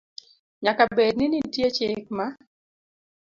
Nyaka bed ni nitie chik ma